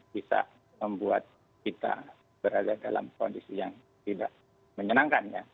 bisa membuat kita berada dalam kondisi yang tidak menyenangkan ya